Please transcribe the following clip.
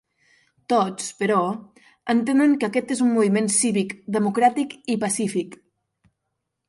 Tots, però, entenen que aquest és un moviment cívic, democràtic i pacífic.